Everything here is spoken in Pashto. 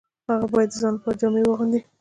هغه باید د ځان لپاره جامې واغوندي